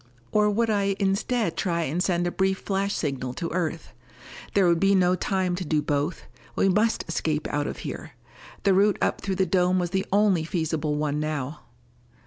Or would I instead try and send a brief flash signal to Earth? There would be no time to do both: we must escape out of here. The route up through the dome was the only feasible one now.